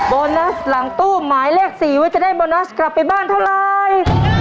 โบนัสหลังตู้หมายเลข๔ว่าจะได้โบนัสกลับไปบ้านเท่าไร